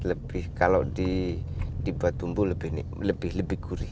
lebih awet kalau dibuat bumbu lebih gurih